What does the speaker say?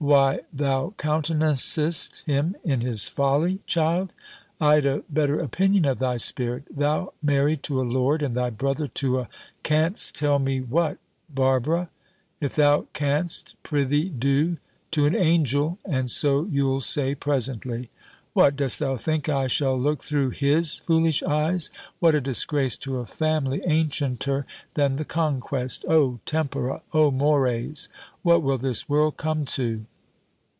"Why, thou countenancest him in his folly, child: I'd a better opinion of thy spirit! Thou married to a lord, and thy brother to a Can'st tell me what, Barbara? If thou can'st, pr'ythee do." "To an angel; and so you'll say presently." "What, dost think I shall look through his foolish eyes? What a disgrace to a family ancienter than the Conquest! O Tempora! O Mores! What will this world come to?"